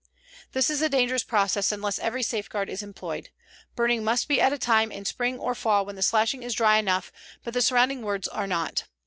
This is a dangerous process unless every safeguard is employed. Burning must be at a time in spring or fall when the slashing is dry enough but the surrounding woods are not.